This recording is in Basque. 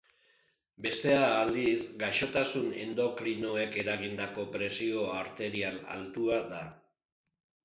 Bestea aldiz, gaixotasun endokrinoek erangindako presio arterial altua da.